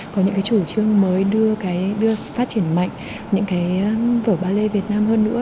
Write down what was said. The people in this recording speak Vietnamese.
có những chủ trương mới đưa phát triển mạnh những vở ballet việt nam hơn nữa